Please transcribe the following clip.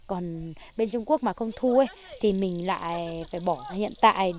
còn bên trung quốc mà không thu thì mình lại phải bỏ hiện tại